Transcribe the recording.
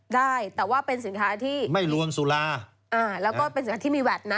ได้แต่ว่าเป็นสินค้าที่ไม่ลวนสุราอ่าแล้วก็เป็นสินค้าที่มีแวดนะ